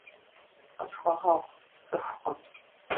Къысхуэгъуэгъу, сцӏыхукъым.